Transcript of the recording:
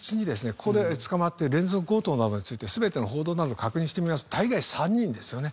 ここで捕まってる連続強盗などについて全ての報道など確認してみますと大概３人ですよね。